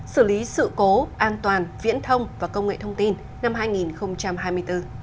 xử lý sự cố an toàn viễn thông và công nghệ thông tin năm hai nghìn hai mươi bốn